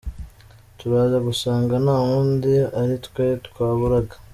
Turaza gusanga nta wundi ari twe twaburaga.